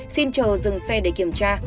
xin chờ dừng sớm